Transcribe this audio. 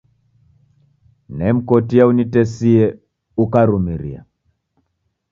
Nemkotia unitesie ukarumiria.